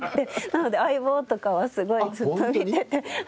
なので『相棒』とかはすごいずっと見てて。